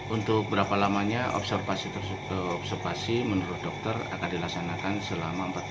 untuk berapa lamanya observasi menurut dokter akan dilaksanakan selama empat belas hari ke depan